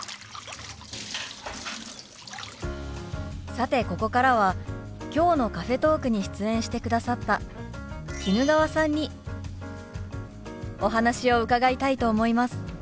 さてここからはきょうのカフェトークに出演してくださった衣川さんにお話を伺いたいと思います。